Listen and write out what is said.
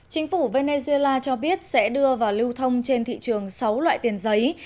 chính phủ venezuela cho biết sẽ đưa vào lưu thông trên thị trường sáu loại tiền giấy